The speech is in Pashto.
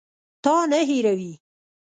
تا نه هېروي.